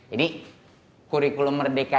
ini kurikulum merdeka